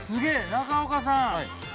中岡さん